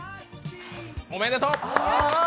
おめでとう！